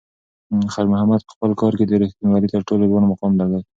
خیر محمد په خپل کار کې د رښتونولۍ تر ټولو لوړ مقام درلود.